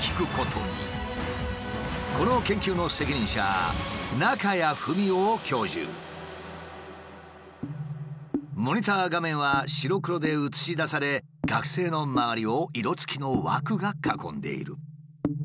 この研究の責任者モニター画面は白黒で映し出され学生の周りを色つきの枠が囲んでいる。